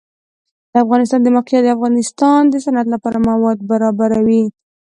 د افغانستان د موقعیت د افغانستان د صنعت لپاره مواد برابروي.